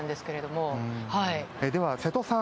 では瀬戸さん